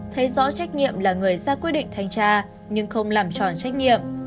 thấy rõ trách nhiệm là người ra quyết định thanh tra nhưng không làm tròn trách nhiệm